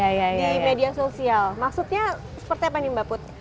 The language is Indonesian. maksudnya seperti apa nih mbak put